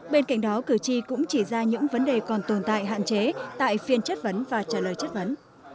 bên cạnh đó cử tri cũng chỉ ra những vấn đề còn tồn tại hạn chế tại phiên chất vấn và trả lời chất vấn